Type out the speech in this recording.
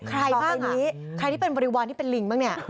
ใครบ้างนี้ใครที่เป็นบริวารที่เป็นลิงบ้างเนี่ย